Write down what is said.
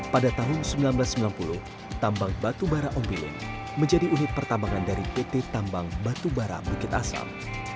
pada tahun seribu sembilan ratus sembilan puluh tambang batubara ombilin menjadi unit pertambangan dari pt tambang batubara bukit asam